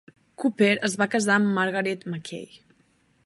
Copper es va casar amb Margaret Mackay.